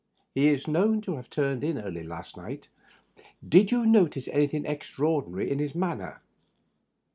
"He is known to have turned in early last night. Did you notice anything extraordinary in his manner?"